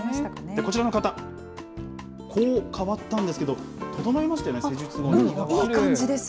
こちらの方、こう変わったんですけど、整いましたよね、いい感じです。